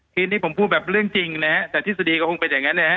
คืนนี้ผมพูดแบบเรื่องจริงนะฮะแต่ทฤษฎีก็คงเป็นอย่างนั้นนะฮะ